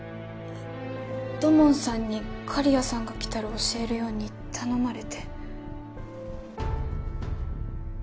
土門さんに刈谷さんが来たら教えるように頼まれて。